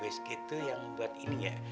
osg tuh yang buat ini ya